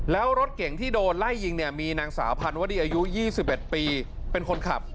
แล้วรถเก่งที่โดนไล่ยิงเนี่ยมีนางสาวพันวดีอายุ๒๑ปีเป็นคนขับ